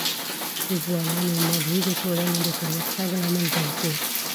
د ځوانانو انرژي د ټولنې د پرمختګ لامل ګرځي.